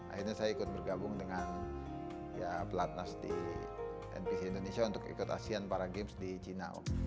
akhirnya saya ikut bergabung dengan pelatnas di npc indonesia untuk ikut asean para games di china